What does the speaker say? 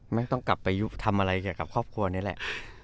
ไม่ต้องกลับไปทำอะไรเกี่ยวกับครอบครัวนี่แหละ